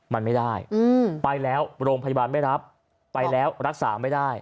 มันไม่ได้ไปแล้วโรงพยาบาลไม่รับไปแล้วรักษาไม่ได้